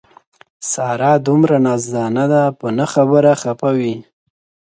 ساره دومره نازدان ده په نه خبره خپه وي.